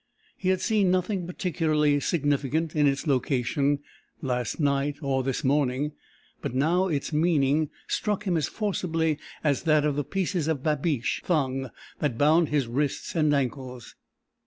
He had seen nothing particularly significant in its location last night, or this morning, but now its meaning struck him as forcibly as that of the pieces of babiche thong that bound his wrists and ankles.